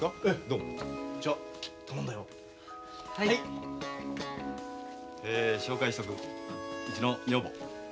うちの女房。